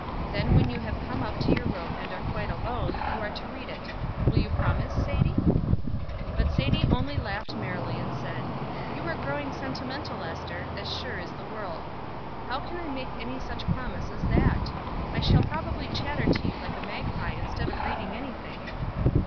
Then when you have come up to your room and are quite alone, you are to read it. Will you promise, Sadie?" But Sadie only laughed merrily, and said "You are growing sentimental, Ester, as sure is the world. How can I make any such promise as that? I shall probably chatter to you like a magpie instead of reading any thing."